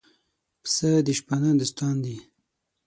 پسه د شپانه دوستان دي.